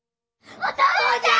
お父ちゃん！